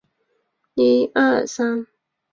库里蒂巴努斯是巴西圣卡塔琳娜州的一个市镇。